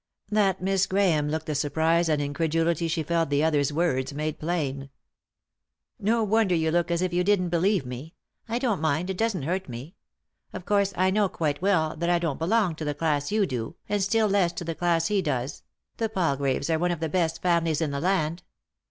That Miss Grahame looked the surprise and in credulity she felt the other's words made plain. " No wonder you look as if you didn't believe me ; I don't mind, it doesn't hurt me. Of course I know quite well that I don't belong to the class you do, and still less to the class he does — the Palgraves are one of the best families in the land.